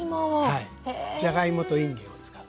はいじゃがいもといんげんを使う。